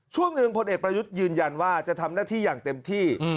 ช่วงหนึ่งพลเอกประยุทธ์ยืนยันว่าจะทำหน้าที่อย่างเต็มที่